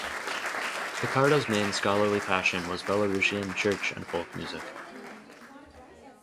Picarda’s main scholarly passion was Belarusian church and folk music.